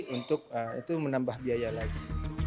untuk itu menambah biaya lagi